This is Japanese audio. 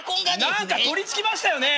何か取りつきましたよね。